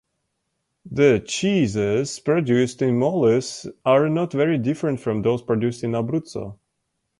The cheeses produced in Molise are not very different from those produced in Abruzzo.